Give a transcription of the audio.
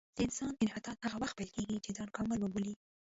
د انسان انحطاط هغه وخت پیل کېږي چې ځان کامل وبولي.